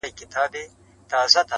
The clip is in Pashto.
• و مقام د سړیتوب ته نه رسېږې,